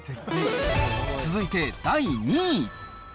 続いて第２位。